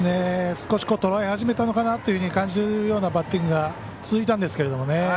少しとらえ始めたのかなと感じるようなバッティングが続いたんですけどもね。